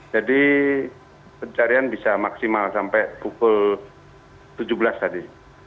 jadi pencarian bisa maksimal sampai pukul tujuh belas tadi